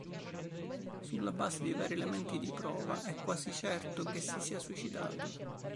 Sulla base di vari elementi di prova, è quasi certo che si sia suicidato.